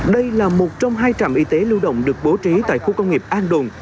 đây là một trong hai trạm y tế lưu động được bố trí tại khu công nghiệp an đồn